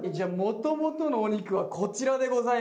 もともとのお肉はこちらでございます。